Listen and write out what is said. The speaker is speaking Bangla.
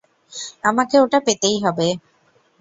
আমাকে ওটা পেতেই হবে!